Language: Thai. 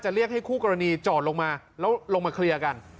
เรียกให้คู่กรณีจอดลงมาแล้วลงมาเคลียร์กัน